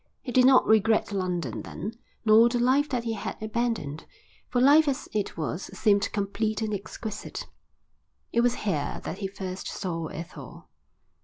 He did not regret London then, nor the life that he had abandoned, for life as it was seemed complete and exquisite. It was here that he first saw Ethel.